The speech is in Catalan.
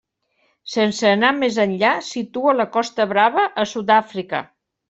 Sense anar més enllà, situa la Costa Brava a Sud-àfrica.